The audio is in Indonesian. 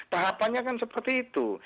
tahapannya kan seperti itu